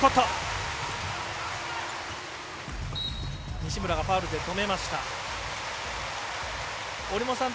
西村がファウルで止めました。